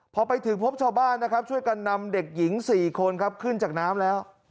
พอไปถึงพบชาวบ้านนะครับช่วยกันนำเด็กหญิง๔คนครับขึ้นจากน้ำแล้ว